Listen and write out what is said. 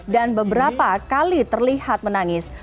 dan beberapa kali terlihat menangis